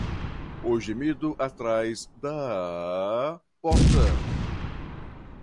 O gemido atrás da porta